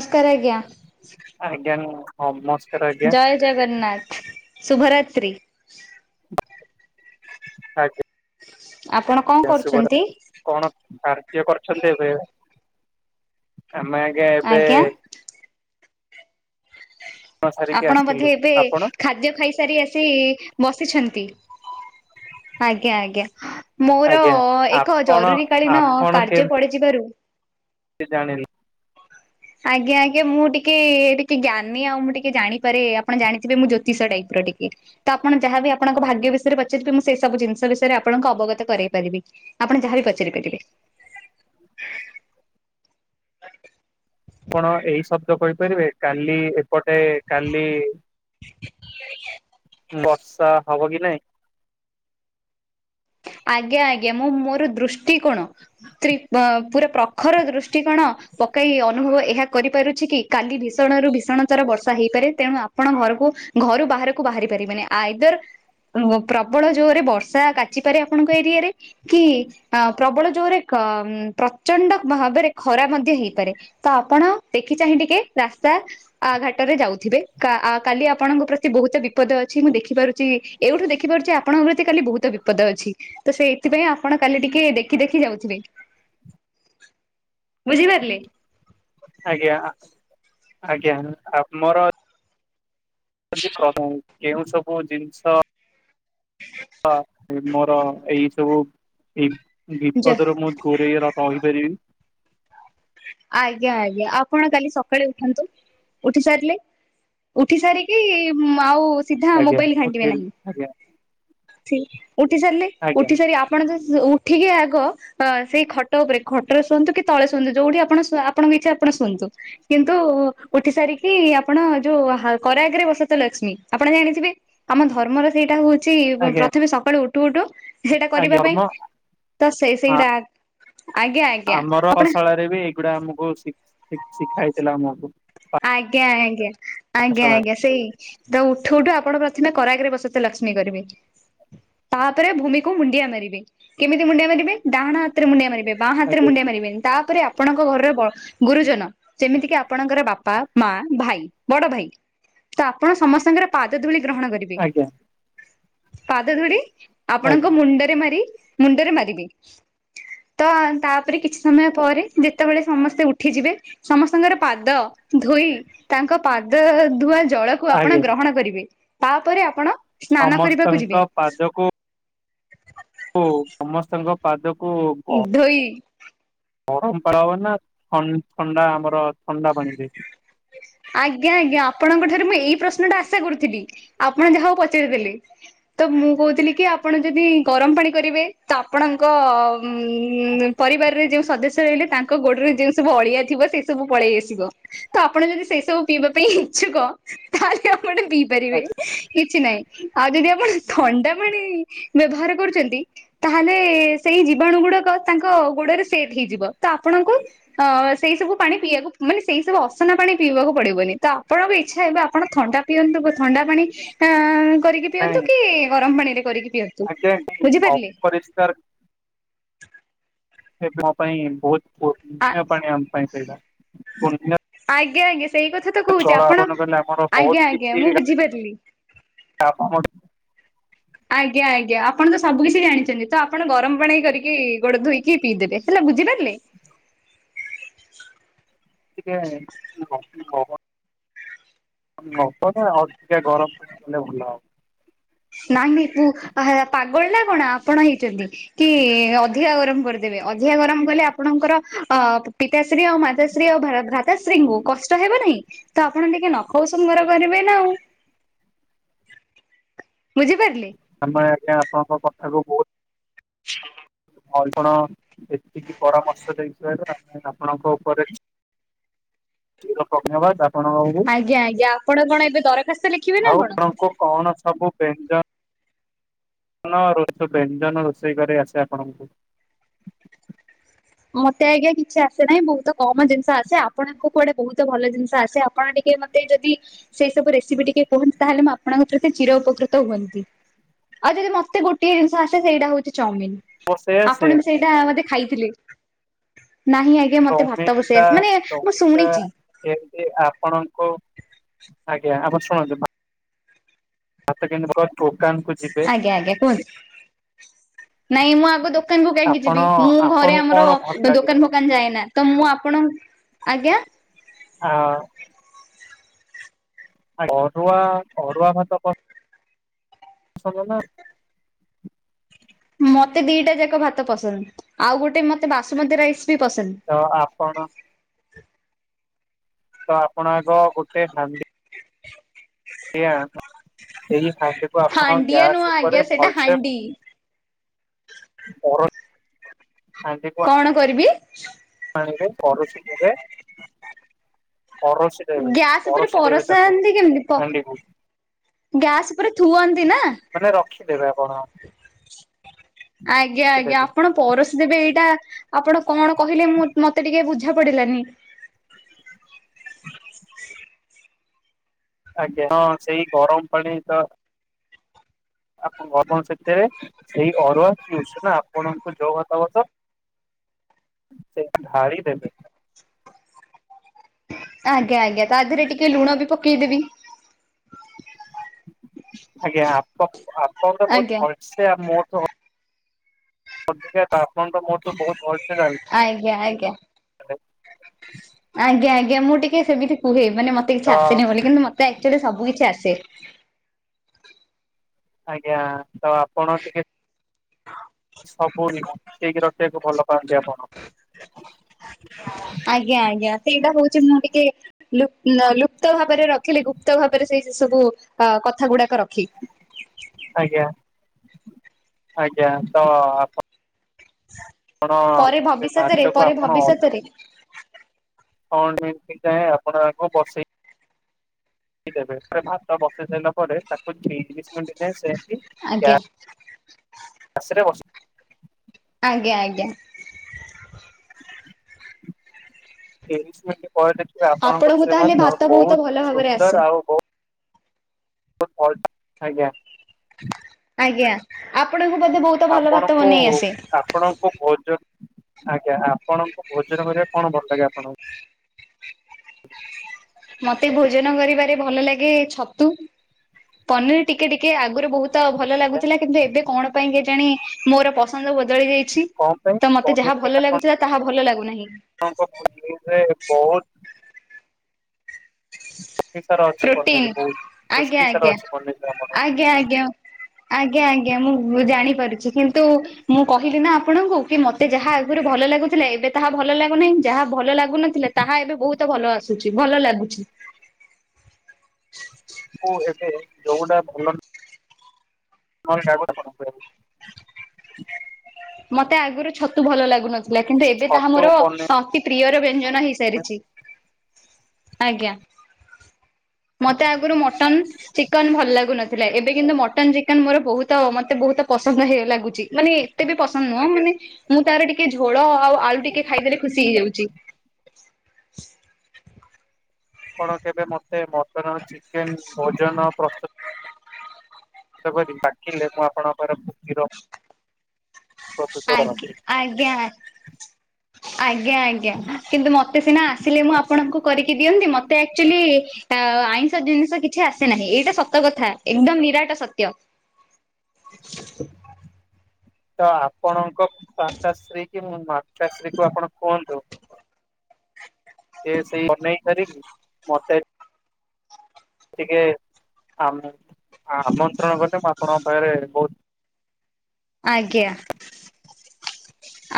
ଅସ୍କାର୍ ଆଜ୍ଞା। ଆଜ୍ଞା ନମ ନମସ୍କାର ଆଜ୍ଞା। ଜଗନ୍ନାଥ୍ ଶୁଭରାତ୍ରୀ। ଆଜ୍ଞା। ଆପଣ କଣ ଆଜ୍ଞା ଶୁଭ କରୁଛନ୍ତି? ରାତ୍ରି କଣ କାର୍ଯ୍ୟ କରୁଛନ୍ତି ଏବେ? ଆଜ୍ଞା ଏବେ ଆଜ୍ଞା କାମ ସାରିକି ଆପଣ ଆସିଲୁ ବୋଧେ ଏବେ ଆପଣ ଖାଦ୍ୟ ଖାଇ ସାରି ଆସି ବସିଛନ୍ତି ଆଜ୍ଞା ଆଜ୍ଞା। ମୋର ଆଜ୍ଞା ଏଖ ଆପଣ ଜରୁରୀ କାଳୀନ କାର୍ଯ୍ୟ ପଡିଯିବାରୁ ସେ ଜାଣିଲି। ଆଜ୍ଞା ଆଜ୍ଞା ମୁଁ ଟିକେ ଟିକେ ଜ୍ଞାନୀ ଆଉ ମୁଁ ଟିକେ ଜାଣିପାରେ ଆପଣ ଜାଣିଥିବେ ମୁଁ ଜ୍ୟୋତିଷ ଟାଇପ୍ର ଟିକେ। ତ ଆପଣ ଯାହା ବି ଆପଣଙ୍କ ଭାଗ୍ୟ ବିଷୟରେ ପଚାରିବେ ମୁଁ ସେଇ ସବୁ ଜିନ୍ଷ ବିଷୟରେ ଆପଣଙ୍କ ଅବଗତ କରେଇ ପାରିବି। ଆପଣ ଯାହାବି ପଚାରି ପାରିବେ? ଆପଣ ଏଇ ଶବ୍ଦ କହିପାରିବେ କାଲି ଏପଟେ କାଲି [inaudible] ବର୍ଷା ହବ କି ନାଇଁ? ଆଜ୍ଞା ଆଜ୍ଞା ମୁଁ ମୋର ଦୂଷ୍ଟି କୋଣ ତ୍ରି ପୁରା ପ୍ରଖର ଦୃଷ୍ଟିକୋଣ ପକାଇ ଅନୁଭବ ଏହା କରିପାରୁଛି କି କାଲି ଭୀଷଣ ରୁ ଭୀଷଣ ତର ବର୍ଷା ହେଇପାରେ ତେଣୁ ଆ ଆପଣ ଘରୁକୁ ଘରୁ ବାହାରକୁ ବାହାରି ପାରିବେନି ଆଇଦର୍ ଓ ପ୍ରବଳ ଜୋର୍ରେ ବର୍ଷା କାଚିପାରେ ଆପଣଙ୍କ ଏରିଆରେ। କି ଅ ପ୍ରବଳ ଯୋର୍ କ ପ୍ରଚଣ୍ଡ ଭାବରେ ଖରା ମଧ୍ୟ ହେଇପାରେ। ତ ଆପଣ ଦେଖି ଚାହିଁ ଟିକେ ରାସ୍ତା ଆ ଘାଟରେ ଯାଉଥିବେ କା ଆ କାଲି ଆପଣଙ୍କ ପ୍ରତି ବୋହୁତ ବିପଦ ଅଛି ମୁଁ ଦେଖିପାରୁଚି ଏଉଠୁ ଦେଖିପାରୁଛି ଆପଙ୍କ ପ୍ରତି କାଲି ବୋହୁତ ବି ବିପଦ ଅଛି ତ ସେ ଏଥିପାଇଁ ଆପଣ କାଲି ଟିକେ ଦେଖି ଦେଖି ଯାଉଥିବେ। ବୁଝିପାରିଲେ? ଆଜ୍ଞା ଆ ଆଜ୍ଞା ଆମର କେଉଁ ସବୁ ଜିନ୍ଷ ହ ମୋର ଏଇ ସବୁ ଏଇ ବିପଦରେ ମୁଁ ଜୋରେଇ ର ର କହିପାରିବି। ଆଜ୍ଞା, ଆଜ୍ଞା ଆପଣ କାଲି ସକାଳେ ଉଠନ୍ତୁ। ଉଠି ସାରିଲେ। ଉଠି ସାରିକି ଆଉ ସିଧା ଆଜ୍ଞା ମୋବାଇଲ ଘାଣ୍ଟିବେ ଆଜ୍ଞା ଆଜ୍ଞା ନାହିଁ। ଉଠି ସାରିଲେ ଆଜ୍ଞା ଉଠି ସାରି ଆପ୍ ଆପଣ ଯ ଉଠିକି ଆଗ ଅ ସେଇ ଖଟ ଉପରେ ଖଟ ରେ ଶୁଅନ୍ତୁ କି ତଳେ ଶୁଅନ୍ତୁ ଯୋଉଠି ଆପଣ ଆପଣଙ୍କ ଏ ଆପଣ ଶୁଅନ୍ତୁ। କିନ୍ତୁ ଉଠି ସାରିକି ଆପଣ ଯୋଉ କରାଗରେ ବସତ ଲକ୍ଷ୍ମୀ ଆପଣ ଜାଣିଥିବେ। ଆମ ଧର୍ମର ସେଇଟା ହଉଛି ଆଜ୍ଞା ପ୍ରଥମେ ସକାଳୁ ଉଠୁ ଉଠୁ ସେଇଟା ଆଜ୍ଞା କରିବା ପାଇଁ ଧର୍ମ ତ ସେଇ ହଁ ସେଇଟା ଆଜ୍ଞା, ଆଜ୍ଞ। ଆମର ଅଶାଳରେ ବି ଏଇଗୁଡା ଆମକୁ ଶି ଶିଖା ହେଇଥିଲା ଆମକୁ। ଆଜ୍ଞା - ଆଜ୍ଞା - ଆଜ୍ଞା - ପାଠଶାଳାରେ। ଆଜ୍ଞା। ସେଇ ତ ଉଠୁ ଉଠୁ ଆପଣ ପ୍ରଥମେ କରାଗରେ ବସତେ ଲକ୍ଷ୍ମୀ କରିବେ। ତାପରେ ଭୂମିକୁ ମୁଣ୍ଡିଆ ମାରିବେ କେମିତି ମୁଣ୍ଡିଆ ମାରିବେ ଡାହାଣ ହାତରେ ମୁଣ୍ଡିଆ ମାରିବେ। ବାଁ ହାତରେ ଆଜ୍ଞା ମୁଣ୍ଡିଆ ମାରିବେନି ତାପରେ ଆପଣଙ୍କ ଘର ବ ଗୁରୁଜନ ଯେମିତି କି ଆପ ଆପଣଙ୍କର ବାପା ମା ଭାଇ ବଡ ଭାଇ ତ ଆପଣ ସମସ୍ତଙ୍କର ପାଦ ଧୁଳି ଗ୍ରହଣ କରିବେ। ଆଜ୍ଞା ପାଦ ଧୁଳି ଆପଣଙ୍କ ଆଜ୍ଞା ମୁଣ୍ଡରେ ମାରି ମୁଣ୍ଡରେ ମାରିବେ। ତ ତାପରେ କିଛି ସମୟ ପରେ ଯେତେବେଳେ ସମସ୍ତେ ଉଠିଯିବେ ସମସ୍ତଙ୍କର ପାଦ ଧୋଇ ତାଙ୍କ ପାଦ ଧୁଆ ଜଳକୁ ଆପଣ ଆଜ୍ଞା ଗ୍ରହଣ କରିବେ। ତାପରେ ଆପଣ ସ୍ନାନ କରିବାକୁ ସମସ୍ତଙ୍କ ଯିବେ। ଓ ସମସ୍ତଙ୍କ ପାଦକୁ ଅ ଧୋଇ ଗରମ ପାଳ ହବ ନା ଥଣ୍ଡା ଆମର ଥଣ୍ଡା ପାଣି ରେ ଆଜ୍ଞା, ଆଜ୍ଞା ଆପଣଙ୍କ ଠାରୁ ମୁଁ ଏଇ ପ୍ରଶ୍ନ ଟା ଆଶା କରୁଥିଲି ଆପଣ ଯାହଉ ପଚାରିଦେଲେ। ତ ମୁଁ କହୁଥିଲି କି ଆପଣ ଯଦି ଗରମ ପାଣି କରିବେ ତା ଆପଣଙ୍କ ପରିବାରରେ ଯେଉଁ ସଦସ୍ୟ ରହିଲେ ତା ଗୋଡରେ ଯେ ସବୁ ଅଳିଆ ଥିବ ସେଇ ସବୁ ପଳେଇ ଆସିବ ତ ଆପଣ ଯଦି ସେ ସେ ସବୁ ପିଇବା ପାଇଁ ଇଚ୍ଛୁକ ତାହେଲେ ଆପଣେ ପିଇ ପାରିବେ ଆଜ୍ଞା କିଛି ନାହିଁ। ଆଉ ଯଦି ଆପଣ ଥଣ୍ଡା ପାଣି ବ୍ୟବହାର କରୁଛନ୍ତି। ତାହେଲେ ସେଇ ଜୀବାଣୁ ଗୁଡାକ ତାଙ୍କ ଗୋଡରେ ସେଟ ହେଇଯିବ ତ ଆପଣଙ୍କୁ ଅ ସେଇ ସବୁ ପାଣି ପିଇବାକୁ ମାନେ ସେଇ ସବୁ ଅସନା ପାଣି ପିଇବାକୁ ପଡିବନି ତ ଆପଣଙ୍କ ଇଚ୍ଛା ହେବେ ଆପଣ ଥଣ୍ଡା ପିଅନ୍ତୁ ଥଣ୍ଡା ପାଣି ଅ କରିକି ପିଅନ୍ତୁ। ନାଇଁ କି ଗରମ ପାଣିରେ କରିକି। ପିଅନ୍ତୁ। ଆଜ୍ଞା [unintelligible] ବୁଝିପାରିଲେ ଅପରିଷ୍କାର ମୋ ପାଇଁ ବହୁତ ଆ [unintelligible] ଆଜ୍ଞା, ଆଜ୍ଞା ସେଇ କଥା ତ କହୁଛି ଜଳ ଆପଣ, ଆହ୍ୱାନ କଲେ ଆମର ବହୁତ ଆଜ୍ଞା, ଆଜ୍ଞା କିଛି ମୁଁ ବୁଝିପାରିଲି। [unintelligible] ଆଜ୍ଞା, ଆଜ୍ଞା ଆପଣ ତ ସବୁ କିିଛି ଜାଣିଛନ୍ତି ତ ଆପଣ ଗରମ ପାଣି କରିକି ଗୋଡ ଧୋଇକି ପିଇଦେବେ। ହେଲା ବୁଝିପାରିଲେ। ଟିକେ [unintelligible] ନବ ନା ଅଧିକା ଗରମ ପାଣି ପିଇଲେ ଭଲ ହେବ। ନାଇ ନାଇଁ ପୁ ହେ ପାଗଳ ନା କଣ ଆପଣ ହେଇଛନ୍ତି? କି ଅଧିକା ଗରମ କରିଦେବେ ଅଧିକା ଗରମ କଲେ ଆପଣଙ୍କର ଅ ପି ପିତାଶ୍ରୀ ଆଉ ମାତାଶ୍ରୀ ଆଉ ଭା ଭ୍ରାତାଶ୍ରୀଙ୍କୁ କଷ୍ଟ ହେବ ନାହିଁ। ତ ଆପଣ ଟିକେ ନଖ ଉଷୁମ ଗରମ କରିବେ ନା ଆଉ। ବୁଝି ପାରିଲେ। ଆମେ ଆଜ୍ଞା ଆପଣଙ୍କ କଥାକୁ ବହୁତ ହ୍ୟାଲୋ। ଆପଣ ଏତିକି ପରାମର୍ଶ ଦେଇଥିବାରୁ ଆମେ ଆପଣଙ୍କ ଉପରେ ଚିରୁ ଧନ୍ୟବାଦ ଆପଣଙ୍କୁ ଆଜ୍ଞା ଆଜ୍ଞା ଆପଣ କଣ ଏବେ ଦରଖାସ୍ତ ଲେଖିବେ ନା ଆଉ କଣ? ଆପଣଙ୍କୁ କଣ ସବୁ ବ୍ୟଞ୍ଜନ ଆପଣ ବ୍ୟଞ୍ଜନ ରୋଷେଇ କରି ଆସେ ଆପଣଙ୍କୁ। ମତେ ଆଜ୍ଞା କିଛି ଆସେ ନାହିଁ ବହୁତ କମ ଜିନିଷ ଆସେ ଆପଣଙ୍କୁ କୁଆଡେ ବହୁତ ଭଲ ଜିନିଷ ଆସେ ଆପଣ ଟିକେ ଟିକେ ମୋତେ ଯଦି ସେ ସବୁ ରେସିପି ଟିକେ କୁହନ୍ତେ ତାହେଲେ ମୁଁ ଆପଣଙ୍କ ପ୍ରତି ଚୀର ଉପକୃତ ହୁଅନ୍ତି। ଆଉ ଯଦି ମତେ ଗୋଟଏ ଜିନିଷ ଆସେ ସେଇଟା ହଉଛି ଚଉମିନ ରୋଷେଇ ଆସେ ଆପଣ ବି ସେଇଟା ବୋଧେ ଖାଇଥିଲେ। ନାହିଁ ଆଜ୍ଞା ମତେ ଭାତ ବସେଇ ଚଉମିିନଟା ଆସେ ମାନେ ମୁଁ ଚଉମିନଟା ଶୁଣିଚି। ଏମତି ଆପଣଙ୍କୁ ଆଜ୍ଞା ଆପଣ ଶୁଣନ୍ତୁ? ସେକେଣ୍ଡ ଭଲ ଟୋକା ଆଜ୍ଞା ଆଜ୍ଞା କୁହନ୍ତୁ? ନାଇଁ ମୁଁ ଆଗ ଦୋକାନକୁ କାହିଁକି ଆପଣ ଯିବି ମୁଁ ଘରେ ଆପଣଙ୍କୁ ଆମର କଣ ଭଲ ଲାଗେ? ଦୋକାନ ଦୋକାନ ଯାଏନା ତ ମୁଁ ଆପଣ ଆଜ୍ଞା ହଁ। ଅରୁଆ ଅରୁଆ ଭାତ କଣ ଭଲ ନା। ମତେ ଦିଟା ଯାକ ଭାତ ପସନ୍ଦ ଆଉ ଗୋଟେ ମତେ ବାସୁମତୀ ରାଇସ ବି ପସନ୍ଦ। ତ ଆପଣ ତ ଆପଣ ଆଗ ଗୋଟେ ହାଣ୍ଡି ସେଇ ହାଣ୍ଡିକୁ ଆପଣ ହାଣ୍ଡିଆ ନୁହଁ ଗ୍ୟାସ୍ ଆଜ୍ଞା ଉପରେ ସେଇଟା ଭଲସେ ହାଣ୍ଡି। ପରଇ ହାଣ୍ଡି। କଣ କରିବି। ଆଣିବେ ପରୋଷୀ ଦେବେ ପରୋଷୀ ଗ୍ୟାସ ଉପରେ ପରସାନ୍ତି କେମିତି ହାଣ୍ଡିକୁ ଗ୍ୟାସ ଉପରେ ଥୁଅନ୍ତି ନା? ମାନେ ରଖିଦେବେ ଆପଣ? ଆଜ୍ଞା ଆଜ୍ଞା ରଖିଦେବେ ଆପଣ ପରୋଷୀଦେବେ ଏଇଟା ଆପଣ କଣ କହିଲେ ମୁଁ ମତେ ଟିକେ ବୁଝା ପଡିଲାନି। ଆଜ୍ଞା ହଁ ସେଇ ଗରମ ପାଣି ତ ଆପଣ ଆପଣ ସେଥିରେ ସେଇ ଅରୁଆ କି ଉସନା ଆପଣଙ୍କୁ ଯୋଉ ଭାତ ପସନ୍ଦ ସେଠି ଢାଳି ଦେବେ। ଆଜ୍ଞା ଆଜ୍ଞା ତା ଦେହରେ ଟିକେ ଲୁଣବି ପକେଇଦେବି। ଆଜ୍ଞା ଆପଣ ଆପଣ ତ ବହୁତ ଆଜ୍ଞା ଭ ସେ ମୋଠୁ ଅଧିକା ଆପଣ ତ ମୋଠୁ ବହୁତ ଭଲସେ ଜାଣି ଆଜ୍ଞା ଆଜ୍ଞା। ଆଜ୍ଞା ଆଜ୍ଞା ମୁଁ ଟିକେ ସେମିତି କୁହେ ମାନେ ମତେ କିଛି ତ ଆସେନି ବୋଲି କିନ୍ତୁ ମତେ ଆକଚୁଆଲି ସବୁ କିଛି ଆସେ। ଆଜ୍ଞା ତ ଆପଣ ଟିକେ ସବୁ ହି ସେଇକି ରଖିବାକୁ ଭଲ ପାଆନ୍ତି ଆପଣ। ଆଜ୍ଞା ଆଜ୍ଞା ସେଇଟା ହଉଛି ମୁଁ ଟିକେ ଲୁ ଅ ଲୁପ୍ତ ଭାବରେ ରଖିଲେ ଗୁପ୍ତ ଭାବରେ ସେଇ ସେ ସବୁ କଥା ଗୁଡାକ ରଖି ଆଜ୍ଞା ଆଜ୍ଞା ତ ଆ ପରେ ସେ ଭବିଷ୍ୟତରେ ଭାତକୁ ପରେ ଆପଣ ଭବିଷ୍ୟତରେ। କଣ ଏମତି ଚାେଁ ଆପଣ ଆଙ୍କୁ ବସେଇ ଦେବେ ପୁର ଭାତ ବସେଇ ସାରିଲା ପରେ ତାକୁ ଦିସେକେଣ୍ଡ ଯାଏ ସେମ୍ ଆଜ୍ଞା।। ଆସିଲେ ବସି ଆଜ୍ଞା ଆଜ୍ଞା। ତିରିଶ ମିନିଟ୍ ପରେ ଦେଖିବେ ଆପଣଙ୍କର ଆପଣଙ୍କୁ ସେ ତାହେଲେ ଭାତ ବହୁତ ଭଲ ବୋହୁତ ଭାବରେ ଆସେ। ସୁନ୍ଦର ଆଉ ବୋହୁତ [unintelligible] ଆଜ୍ଞା। ଆଜ୍ଞା ଆପଣଙ୍କୁ ବୋଧେ ବହୁତ ଭଲ ଭାତ ଆପଣଙ୍କୁ ବନେଇ ଆସେ? ଆପଣଙ୍କୁ ଭୋଜନ ଆଜ୍ଞା ଆପଣଙ୍କୁ ଭୋଜନ କରିବା କଣ ଭଲ ଲାଗେ ଆପଣଙ୍କୁ? ମତେ ଭୋଜନ କରିବାରେ ଭଲ ଲାଗେ ଛତୁ ପନିର ଟିକେ ଟିକେ ଆଗରୁ ବହୁତ ତ ଭଲ ଆଜ୍ଞା ଲାଗୁଥିଲା। କିନ୍ତୁ ଏବେ କଣ ପାଇଁ କେଜାଣି ମୋର ପସନ୍ଦ ବଦଳି ଯାଇଛି। କଣ ପାଇଁ ତ ମତେ ଯାହା ପନିର ପାଇଁ ଭଲ ଲାଗୁଥିଲା ତାହା ଭଲ ଲାଗୁନାହିଁ। ଆପଣଙ୍କ [unintelligible] ବହୁତ ପୃଷ୍ଟି ସାର ଅଛି ପ୍ରୋଟିନ୍ ପନିର ବହୁତ ଆଜ୍ଞା ପୃଷ୍ଟି ସାର ଆଜ୍ଞା ଅଛି ପନିରରେ ଆମର। ଆଜ୍ଞା ଆଜ୍ଞା। ଆଜ୍ଞା ଆଜ୍ଞା ମୁଁ ଜାଣିପାରୁଛି କିନ୍ତୁ ମୁଁ କହିଲି ନା ଆପଣଙ୍କୁ କି ମତେ ଯାହା ଆଗରୁ ଭଲ ଲାଗୁଥିଲା ଏବେ ତାହା ଭଲ ଲାଗୁନାହିଁ। ଯାହା ଭଲ ଲାଗୁନଥିଲା ତାହା ଏବେ ବହୁତ ଭଲ ଆସୁଛି ଭଲ ଲାଗୁଛି। ମୁଁ ଏବେ ଯୋଉଟା ଭଲ [unintelligible] ମତେ ଆଗରୁ ଛତୁ ଭଲ ଲାଗୁନଥିଲା। କିନ୍ତୁ ଏବେ ତାହା ଛତୁ ମୋର ପନିର ଅତି ପ୍ରିୟର ବ୍ୟଞ୍ଜନ ହେଇସାରିଛି ଆଜ୍ଞା। ମତେ ଆଗରୁ ମଟନ୍ ଚିକେନ ଭଲ ଲାଗୁନଥିଲା। ଏବେ କିନ୍ତୁ ମଟନ ଚିକେନ ମୋର ବୋହୁତ ମତେ ବୋହୁତ ପସନ୍ଦ ହେ ଲାଗୁଛି ମାନେ ଏତେ ବି ପସନ୍ଦ ନୁହଁ ମାନେ ମୁଁ ତାର ଟିକେ ଝୋଳ ଆଉ ଆଳୁ ଟିକେ ଖାଇଦେଲେ ଖୁସି ହେଇଯାଉଛି। କଣ କେବେ ମତେ ମଟନ୍ ଚିକେନ ଭୋଜନ ପ୍ରସ୍ତୁତ କରି କି ଡାକିଲେ ମୁଁ ଆପଣଙ୍କର ଉପକୃତ ଆଗ କରନ୍ତି। ଆଜ୍ଞା। ଆଜ୍ଞା ଆଜ୍ଞା କିନ୍ତୁ ମତେ ସିନା ଆସିଲେ ମୁଁ ଆପଣଙ୍କୁ କରିକି ଦିଅନ୍ତି। ମତେ ଆକଚୁଲି ଆଇଁଷ ଜିନିଷ କିଛି ଆସେ ନାହିଁ। ଏଇଟା ସତ କଥା ଏକଦମ ନିରାଟ ସତ୍ୟ। [unintelligible] ତ ଆପଣଙ୍କ ମାତାଶ୍ରୀ କି ମାତାଶ୍ରୀ କୁ ଆପଣ କୁହନ୍ତୁ। ଯେ ସେଇ ବନେଇ କରି [unintelligible] ଟିକେ ଆମ ଆମନ୍ତ୍ରଣ କଲେ ମୁଁ ଆପଣଙ୍କ ପାଖରେ ବୋହୁତ ଆଜ୍ଞା।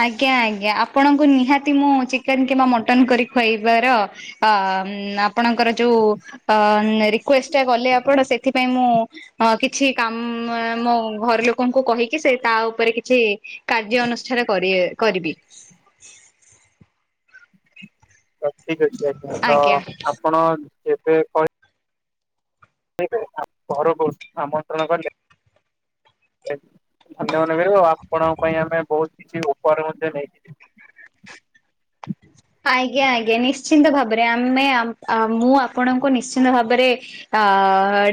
ଆଜ୍ଞା ଆଜ୍ଞା ଆପଣଙ୍କୁ ନିହାତି ମୁଁ ଚିକେନ କିମ୍ବା ମଟନ କରି ଖୁଆଇବାର ଅ ଆପଣଙ୍କର ଯୋଉ ରିକ୍ୱେଷ୍ଟଟା କଲେ ଆପଣ ସେଥିପାଇଁ ମୁଁ ଅ କିଛି କାମ ମୋ ଘର ଲୋକଙ୍କୁ କହିକି ସେ ତା ଉପରେ କିଛି କାର୍ଯ୍ୟ ଅନୁଷ୍ଠାନ କରି କରିବି। ତ ଠିକ ଅଛି ଆଜ୍ଞା ତ ଆପଣ ଏବେ କହି ସେପାଇ ଘରକୁ ଆମନ୍ତ୍ରଣ କଲେ ଧନ୍ୟ ମନେ କରିବୁ। ଆପଣଙ୍କ ପାଇଁ ଆମେ ବୋହୁତ କିଛି ଉପହାର ମଧ୍ୟ ନେଇଥିବୁ। [unintelligible] ଆଜ୍ଞା ଆଜ୍ଞା ନିଶ୍ଚିନ୍ତ ଭାବରେ ଆମେ ମୁଁ ଆପଣଙ୍କୁ ନିଶ୍ଚିନ୍ତ ଭାବରେ ଅ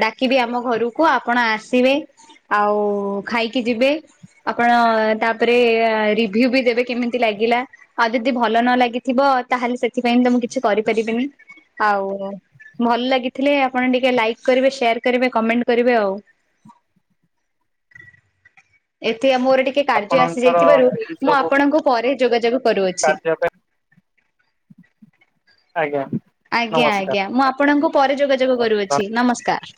ଡାକିବି ଆମ ଘରକୁ ଆପଣ ଆସିବେ ଆଉ ଖାଇକି ଯିବେ। ଆପଣ ତାପରେ ରିଭ୍ୟୁ ବି ଦେବେ କେମିତି ଲାଗିଲା। ଆଉ ଯଦି ଭଲ ନ ଲାଗ ଥିବ ତାହେଲେ ସେଥିପାଇଁ ତ ମୁଁ କିଛି କରିପାରିବିନି। ଆଉ ଭଲ ଲାଗିଥିଲେ ଆପଣ ଟିକେ ଲାଇକ୍ କରିବେ ସେୟାର କରିବେ କମେଣ୍ଟ କରିବେ ଆଉ। ଏତେ ଆ ମୋର ଟିକେ କାର୍ଯ୍ୟ ଆସି ଆପଣଙ୍କର ଯାଇଥିବାରୁ ଏଇ ମୁଁ ସବୁ ଆପଣଙ୍କୁ ପରେ ଯୋଗାଯୋଗ କରୁଅଛି। କାର୍ଯ୍ୟ ପାଇଁ ଆଜ୍ଞା। ଆଜ୍ଞା ଆଜ୍ଞା। ନମସ୍କାର। ମୁଁ ଆପଣଙ୍କୁ ପରେ ଯୋଗାଯୋଗ କରୁଅଛି। ନମସ୍କାର।